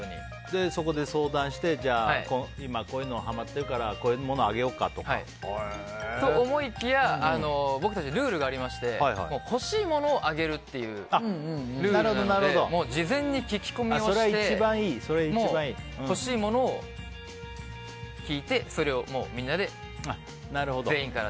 そこで相談して今、こういうのはまってるからこういうものあげようかとか。と、思いきや僕たちルールがありまして欲しいものをあげるっていうルールなので事前に聞き込みをして欲しいものを聞いてそれをみんなで。